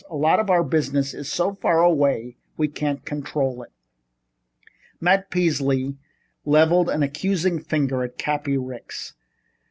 A lot of our business is so far away we can't control it." Matt Peasley leveled an accusing finger at Cappy Ricks.